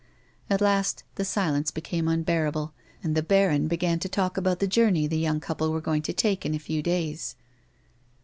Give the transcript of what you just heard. At last the silence became unbearable, and the baron began to talk about the journey the young couple were going to take in a few days.